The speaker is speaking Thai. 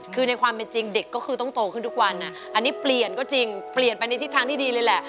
คือในความเป็นจริงเด็กก็คือต้องโตขึ้นทุกวันอันนี้เปลี่ยนก็จริงเปลี่ยนไปในทิศทางที่ดีเลยแหละ